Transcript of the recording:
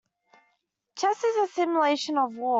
Chess is a simulation of war.